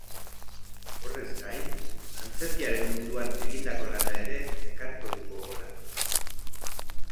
Horrez gain, antzerkiaren munduan egindako lana ere ekarriko du gogora.